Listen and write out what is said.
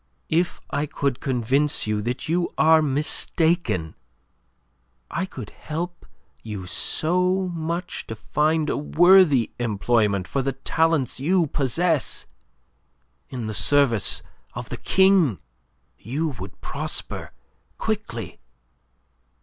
"If I could convince you that you are mistaken! I could help you so much to find a worthy employment for the talents you possess. In the service of the King you would prosper quickly.